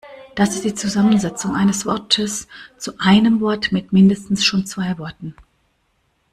Das ist die Zusammensetzung eines Wortes zu einem Wort mit mindestens schon zwei Worten.